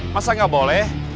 masa gak boleh